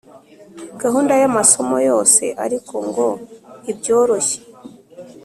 Gahunda y amasomo yose ariko ngo ntibyoroshye